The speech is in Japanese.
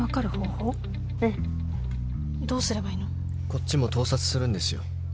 こっちも盗撮するんですよ。